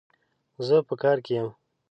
زه په کار کي يم